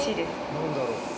何だろう。